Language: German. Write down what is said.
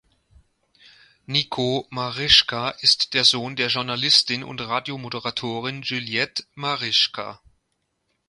Nico Marischka ist der Sohn der Journalistin und Radiomoderatorin Juliette Marischka.